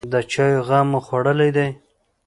_د چايو غم مو خوړلی دی؟